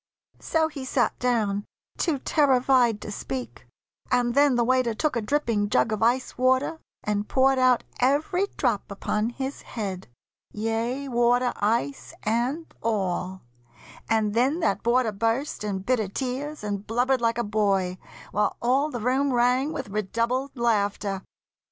So he sat down too terrified to speak; And then the waiter took a dripping jug Of ice water and poured out every drop Upon his head, yea, water, ice, and all; And then that boarder burst in bitter tears, And blubbered like a boy, while all the room Rang with redoubled laughter.